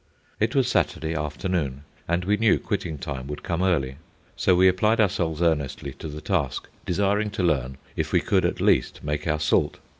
It was Saturday afternoon, and we knew quitting time would come early; so we applied ourselves earnestly to the task, desiring to learn if we could at least make our salt.